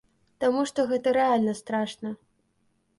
Таму што гэта рэальна страшна.